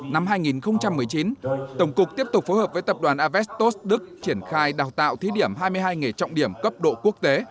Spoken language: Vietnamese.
năm hai nghìn một mươi chín tổng cục tiếp tục phối hợp với tập đoàn avestos đức triển khai đào tạo thí điểm hai mươi hai nghề trọng điểm cấp độ quốc tế